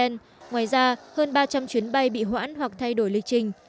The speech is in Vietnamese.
ngoài ra hơn ba trăm linh chuyến bay bị hoãn hoặc thay đổi lịch trình